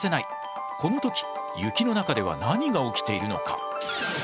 この時雪の中では何が起きているのか？